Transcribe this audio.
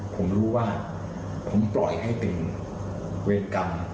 ผมรู้ว่าผมปล่อยให้เป็นเวรกรรม